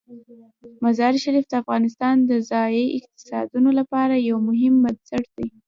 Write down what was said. مزارشریف د افغانستان د ځایي اقتصادونو لپاره یو مهم بنسټ دی.